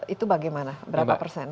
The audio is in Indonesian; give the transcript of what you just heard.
itu bagaimana berapa persen